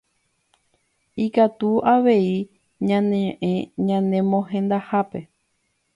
Ikatu avei ñañe'ẽ ñane mohendahápe